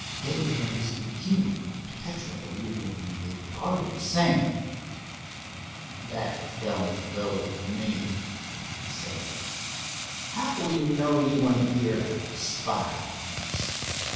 Dave bent his ear keenly, to catch what the leader of the invading party was saying. "That don't go with me," the man said. "How do we know that you ain't here to spy on us?